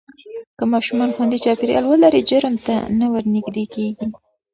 که ماشومان خوندي چاپېریال ولري، جرم ته نه ورنږدې کېږي.